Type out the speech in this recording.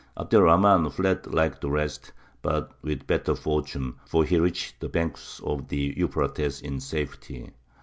Abd er Rahmān fled like the rest, but with better fortune, for he reached the banks of the Euphrates in safety.